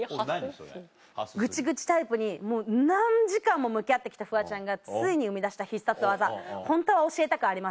グチグチタイプに何時間も向き合って来たフワちゃんがついに生み出した必殺技ホントは教えたくありません。